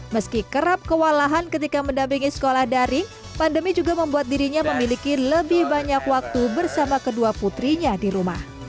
meski kerap kewalahan ketika mendampingi sekolah daring pandemi juga membuat dirinya memiliki lebih banyak waktu bersama kedua putrinya di rumah